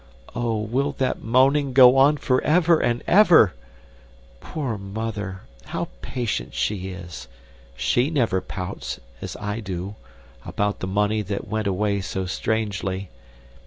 Oh, will that moaning go on forever and ever! Poor mother, how patient she is; SHE never pouts, as I do, about the money that went away so strangely.